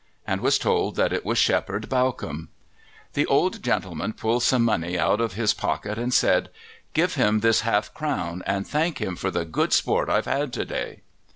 and was told that it was Shepherd Bawcombe. The old gentleman pulled some money out of his pocket and said, "Give him this half crown, and thank him for the good sport I've had to day."